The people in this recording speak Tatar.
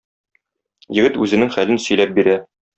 Егет үзенең хәлен сөйләп бирә.